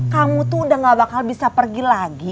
kamu tuh udah gak bakal bisa pergi lagi